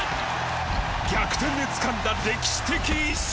逆転でつかんだ歴史的１勝。